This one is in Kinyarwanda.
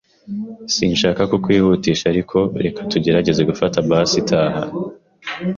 Sinshaka kukwihutisha, ariko reka tugerageze gufata bus itaha.